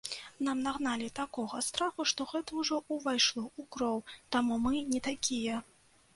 Нам нагналі такога страху, што гэта ўжо ўвайшло ў кроў, таму мы не такія.